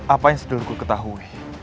apa yang sudah ku ketahui